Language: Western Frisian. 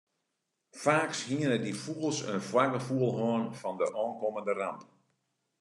Faaks hiene dy fûgels in foargefoel hân fan de oankommende ramp.